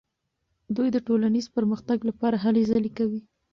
دوی د ټولنیز پرمختګ لپاره هلې ځلې کوي.